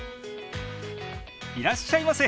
いらっしゃいませ！